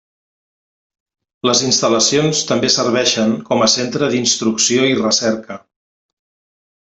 Les instal·lacions també serveixen com a centre d'instrucció i recerca.